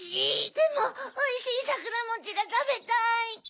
でもおいしいさくらもちがたべたい！